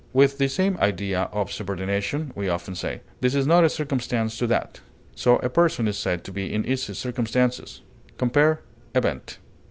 With the same idea of subordination, we often say, "This is not a circumstance to that." So a person is said to be in easy circumstances. Compare EVENT.